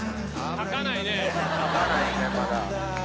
書かないねまだ。